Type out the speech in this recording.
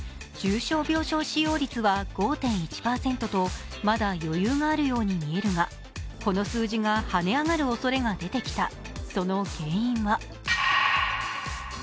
重症病床使用率は５．１％とまだ余裕があるようにみえるがこの数字がはね上がるおそれが出てきた。